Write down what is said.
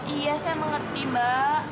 iya saya mengerti mbak